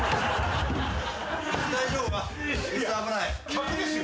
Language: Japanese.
客ですよ？